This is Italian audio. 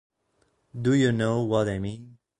D'You Know What I Mean?